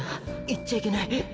いっちゃいけない」。